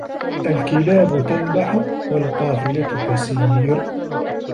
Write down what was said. الكلاب تنبح والقافلة تسير